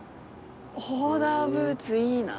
オーダーブーツいいな。